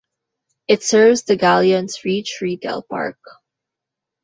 It serves the Gallions Reach Retail Park.